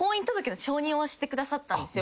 してくださったんですよ。